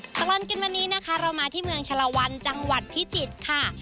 ตลอดกินวันนี้นะคะเรามาที่เมืองชะละวันจังหวัดพิจิตรค่ะ